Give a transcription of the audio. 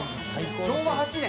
「昭和８年？」